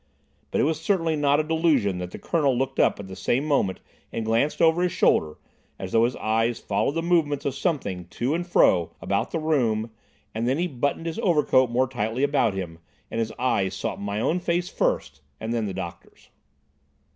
But it was certainly not a delusion that the Colonel looked up at the same moment and glanced over his shoulder, as though his eyes followed the movements of something to and fro about the room, and that he then buttoned his overcoat more tightly about him and his eyes sought my own face first, and then the doctor's.